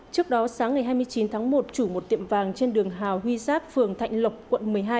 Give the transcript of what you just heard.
trước đó sáng ngày hai mươi chín tháng một chủ một tiệm vàng trên đường hào huy giáp phường thạnh lộc quận một mươi hai